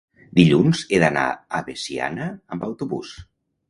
dilluns he d'anar a Veciana amb autobús.